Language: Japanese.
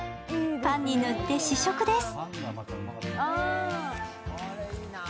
パンに塗って試食です。